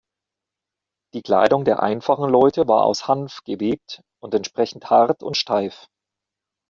Die Kleidung der einfachen Leute war aus Hanf gewebt und entsprechend hart und steif.